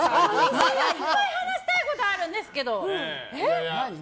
まだいっぱい話したいことあるんですけど！